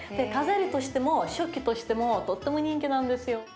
飾りとしても食器としてもとっても人気なんですよ。